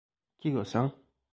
Chi lo sa?